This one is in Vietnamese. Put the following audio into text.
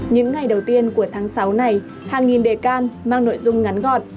những ngày đầu tiên của tháng sáu này hàng nghìn đề can mang nội dung ngắn gọn